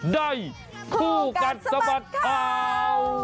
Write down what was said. ได้คู่กันสมัครข้าว